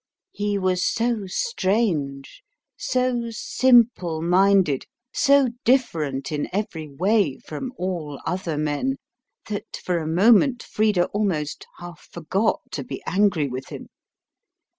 He was so strange, so simple minded, so different in every way from all other men, that for a moment Frida almost half forgot to be angry with him.